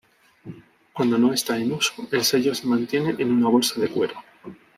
Cuando no está en uso, el sello se mantiene en una bolsa de cuero.